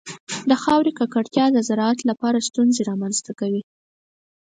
د خاورې ککړتیا د زراعت لپاره ستونزې رامنځته کوي.